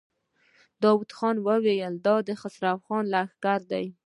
داوود خان وويل: د خسرو خان لښکر دی.